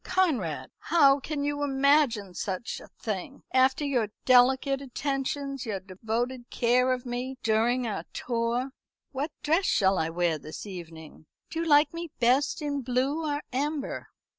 "Conrad! How can you imagine such a thing? after your delicate attentions, your devoted care of me during our tour. What dress shall I wear this evening? Do you like me best in blue or amber?"